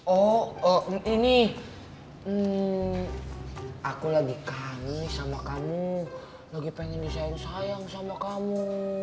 oh ini aku lagi kangen sama kamu lagi pengen nisain sayang sama kamu